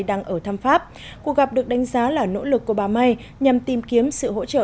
đang ở thăm pháp cuộc gặp được đánh giá là nỗ lực của bà may nhằm tìm kiếm sự hỗ trợ